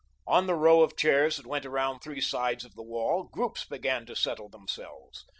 On the row of chairs that went around three sides of the wall groups began to settle themselves.